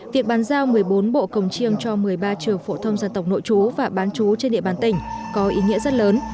việc bàn giao một mươi bốn bộ cồng chiêng cho một mươi ba trường phổ thông dân tộc nội chú và bán chú trên địa bàn tỉnh có ý nghĩa rất lớn